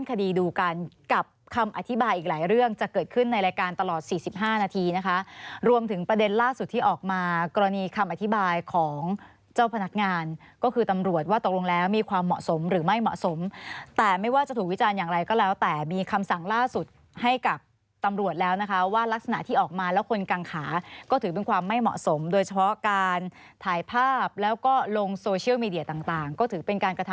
ตลอด๔๕นาทีนะคะรวมถึงประเด็นล่าสุดที่ออกมากรณีคำอธิบายของเจ้าพนักงานก็คือตำรวจว่าตกลงแล้วมีความเหมาะสมหรือไม่เหมาะสมแต่ไม่ว่าจะถูกวิจารณ์อย่างไรก็แล้วแต่มีคำสั่งล่าสุดให้กับตำรวจแล้วนะคะว่ารักษณะที่ออกมาแล้วคนกังขาก็ถือเป็นความไม่เหมาะสมโดยเฉพาะการถ่ายภาพแล้วก็ลงโซเช